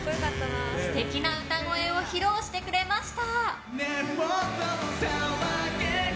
素敵な歌声を披露してくれました。